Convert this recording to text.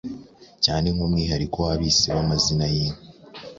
cyane nk’umwihariko w’abisi b’amazina y’inka.